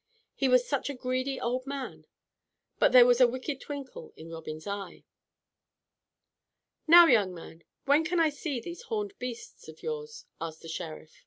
He was such a greedy old man. But there was a wicked twinkle in Robin's eye. "Now, young man, when can I see these horned beasts of yours?" asked the Sheriff.